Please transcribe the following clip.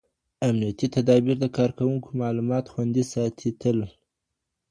امنیتي تدابیر د کاروونکو معلومات خوندي ساتي تل.